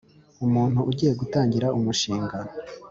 Umuntu ugiye gutangira umushinga